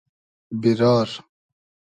بیرار